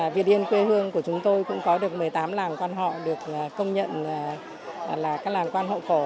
việt yên quê hương của chúng tôi cũng có được một mươi tám làn quan họ được công nhận là các làn quan hậu phổ